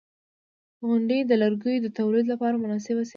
• غونډۍ د لرګیو د تولید لپاره مناسبه سیمه ده.